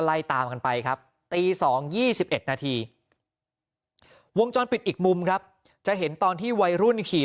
ไล่ตามกันไปครับตี๒๒๑นาทีวงจรปิดอีกมุมครับจะเห็นตอนที่วัยรุ่นขี่